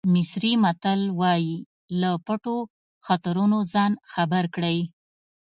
مصري متل وایي له پټو خطرونو ځان خبر کړئ.